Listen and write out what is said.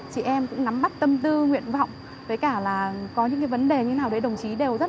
chị em cũng nắm mắt tâm tư nguyện vọng với cả là có những vấn đề như thế nào đấy đồng chí đều rất